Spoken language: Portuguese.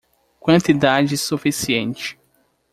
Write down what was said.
Quantidade suficiente